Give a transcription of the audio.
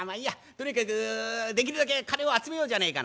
とにかくできるだけ金を集めようじゃねえか」